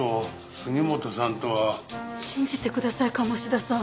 信じてください鴨志田さん。